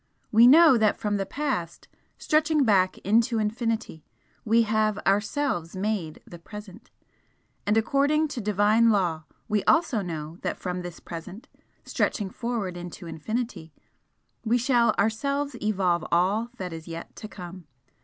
We know that from the Past, stretching back into infinity, we have ourselves made the Present, and according to Divine law we also know that from this Present, stretching forward into infinity, we shall ourselves evolve all that is yet To Come.